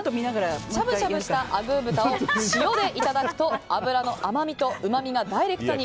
しゃぶしゃぶしたあぐー豚を塩でいただくと脂の甘みとうまみがダイレクトに。